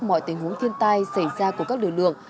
mọi tình huống thiên tai xảy ra của các lực lượng